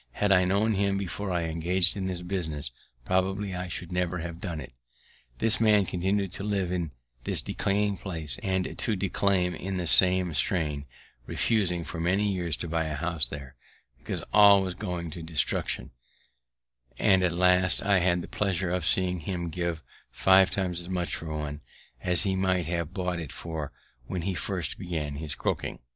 Had I known him before I engaged in this business, probably I never should have done it. This man continued to live in this decaying place, and to declaim in the same strain, refusing for many years to buy a house there, because all was going to destruction; and at last I had the pleasure of seeing him give five times as much for one as he might have bought it for when he first began his croaking.